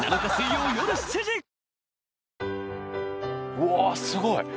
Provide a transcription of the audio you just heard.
うわっすごい！